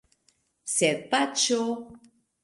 Sed paĉjo?